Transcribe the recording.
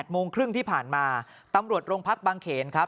โมงครึ่งที่ผ่านมาตำรวจโรงพักบางเขนครับ